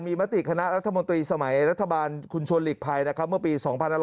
มีมติคณะรัฐมนตรีสมัยรัฐบาลคุณชนฤกษ์ภัยเมื่อปี๒๑๔๓